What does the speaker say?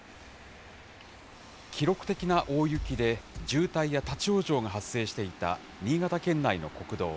記録的な大雪で、渋滞や立往生が発生していた、新潟県内の国道。